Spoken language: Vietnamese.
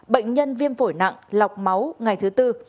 bệnh nhân viêm phổi nặng lọc máu ngày thứ tư